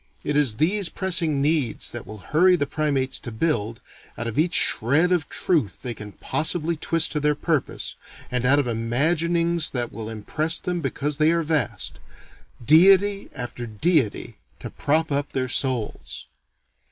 It is these pressing needs that will hurry the primates to build, out of each shred of truth they can possibly twist to their purpose, and out of imaginings that will impress them because they are vast, deity after deity to prop up their souls.